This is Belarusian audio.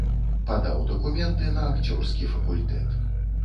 Падаў дакументы на акцёрскі факультэт.